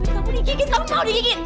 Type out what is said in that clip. kamu dikikit kamu mau dikikit